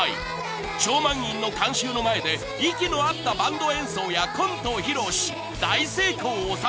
［超満員の観衆の前で息の合ったバンド演奏やコントを披露し大成功を収めました］